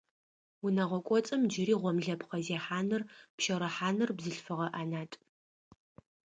Унэгъо кӏоцӏым джыри гъомлэпхъэ зехьаныр, пщэрыхьаныр бзылъфыгъэ ӏэнатӏ.